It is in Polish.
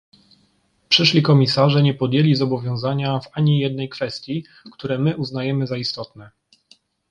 przyszli komisarze nie podjęli zobowiązania w ani jednej kwestii, które my uznajemy za istotne